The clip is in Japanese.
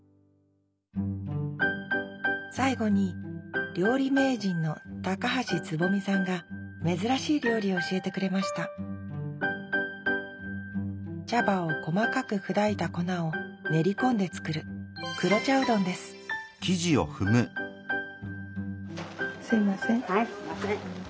最後に料理名人の高橋つぼみさんが珍しい料理を教えてくれました茶葉を細かく砕いた粉を練り込んで作る黒茶うどんですすいません。